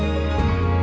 terima kasih pak